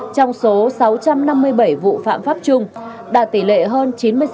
trong số sáu trăm năm mươi bảy vụ phạm pháp chung đạt tỷ lệ hơn chín mươi sáu